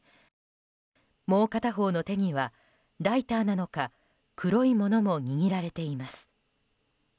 もう片方の手にはライターなのか黒いものも握られています。